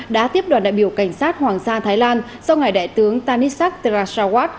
đã tiếp đoàn đại biểu cảnh sát hoàng gia thái lan do ngài đại tướng tanisak terasawat